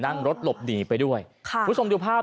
นั่งรถหลบหนีไปด้วยค่ะคุณผู้ชมดูภาพ